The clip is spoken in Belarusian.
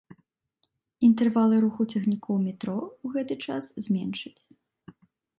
Інтэрвалы руху цягнікоў метро ў гэты час зменшаць.